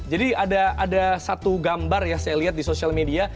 jadi ada satu gambar yang saya lihat di social media